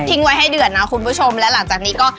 ไว้ให้เดือดนะคุณผู้ชมและหลังจากนี้ก็